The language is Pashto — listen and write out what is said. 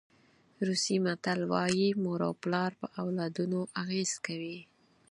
روسي متل وایي مور او پلار په اولادونو اغېزه کوي.